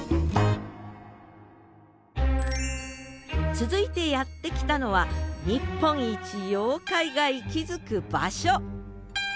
続いてやって来たのは日本一妖怪が息づく場所